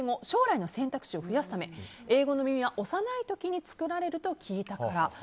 将来の選択肢を増やすため英語の耳は幼い時に作られると聞いたから。